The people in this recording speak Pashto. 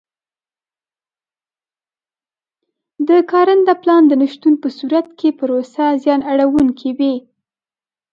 د کارنده پلان د نه شتون په صورت کې پروسه زیان اړوونکې وي.